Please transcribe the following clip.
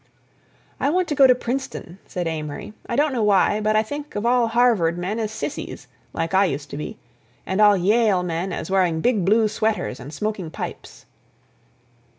"I want to go to Princeton," said Amory. "I don't know why, but I think of all Harvard men as sissies, like I used to be, and all Yale men as wearing big blue sweaters and smoking pipes."